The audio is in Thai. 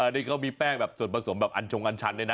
นี่เขามีแป้งแบบส่วนผสมแบบอัญชงอันชันเลยนะ